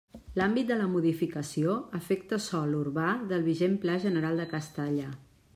L'àmbit de la modificació afecta sòl urbà del vigent pla general de Castalla.